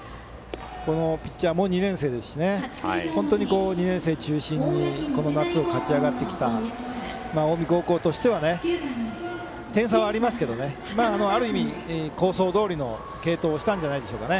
このピッチャーも２年生ですし本当に２年生中心に夏を勝ち上がってきた近江高校としては点差はありますけどある意味、構想どおりの継投をしたんじゃないでしょうか。